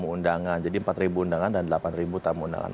undangan jadi empat undangan dan delapan tamu undangan